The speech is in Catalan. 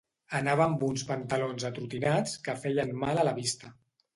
Anava amb uns pantalons atrontinats que feien mal a la vista.